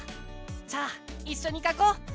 じゃあいっしょにかこう！